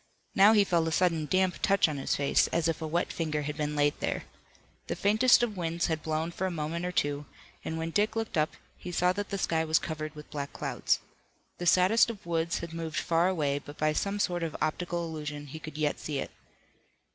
Now he felt a sudden damp touch on his face, as if a wet finger had been laid there. The faintest of winds had blown for a moment or two, and when Dick looked up, he saw that the sky was covered with black clouds. The saddest of woods had moved far away, but by some sort of optical illusion he could yet see it.